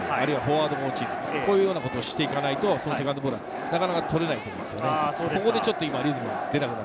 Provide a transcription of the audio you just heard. こういうことをしていかないと、セカンドボールがなかなか取れないと思います。